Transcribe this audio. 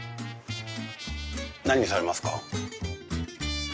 何にされますか？